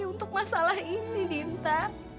untuk masalah ini dinta